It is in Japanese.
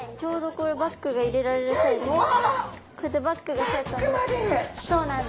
こうやってバッグがセットです。